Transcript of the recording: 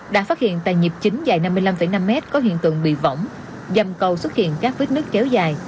đã phát hiện tại nhịp chính dài năm mươi năm năm m có hiện tượng bị vỏng dầm cầu xuất hiện các vết nước kéo dài